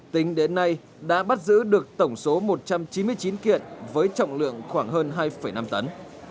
tính đến nay đã bắt giữ được tổng số một trăm chín mươi chín kiện với trọng lượng khoảng hơn hai năm tấn